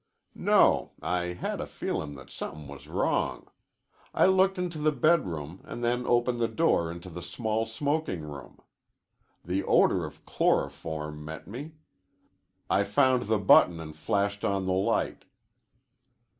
"No. I had a feelin' that somethin' was wrong. I looked into the bedroom an' then opened the door into the small smoking room. The odor of chloroform met me. I found the button an' flashed on the light."